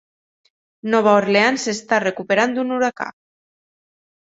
Nova Orleans s'està recuperant d'un huracà.